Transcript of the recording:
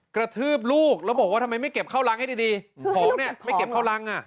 กระทืบลูกแล้วบอกว่าทำไมไม่เก็บเข้ารังให้ดีของเนี่ยไม่เก็บเข้ารังอ่ะ